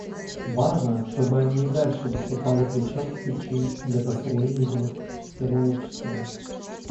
Важно, чтобы они и дальше выступали плечом к плечу для построения демократического общества.